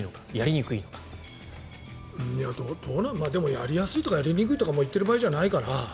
やりやすいとかやりにくいとか言っている場合じゃないから。